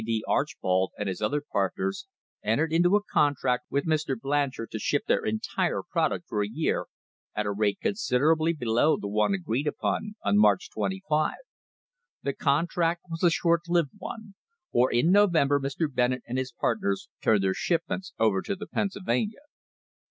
D. Archbold and his other partners entered into a contract with Mr. Blanchard to ship their entire product for a year at a rate considerably below the one agreed upon on March 25.* The contract was a short lived one, for in November Mr. Bennett and his partners turned their shipments over to the Pennsyl vania.